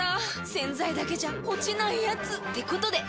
⁉洗剤だけじゃ落ちないヤツってことで。